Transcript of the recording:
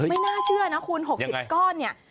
ไม่น่าเชื่อนะคุณ๖๐ก้อนเนี่ย